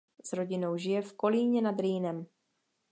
S rodinou žije v Kolíně nad Rýnem.